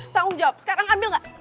tanggung jawab sekarang ambil nggak